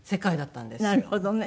なるほどね。